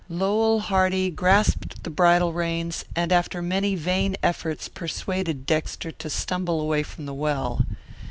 Lowell Hardy grasped the bridle reins, and after many vain efforts persuaded Dexter to stumble away from the well.